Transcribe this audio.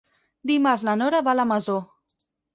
Dimarts na Nora va a la Masó.